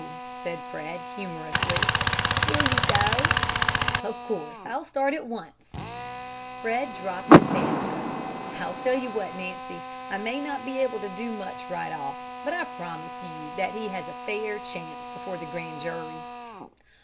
said Fred, humorously. "Will you go?" "Of course. I'll start at once." Fred dropped his banter. "I'll tell you what, Nancy. I may not be able to do much right off, but I'll promise you that he has a fair chance before the grand jury."